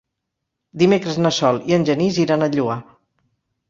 Dimecres na Sol i en Genís iran al Lloar.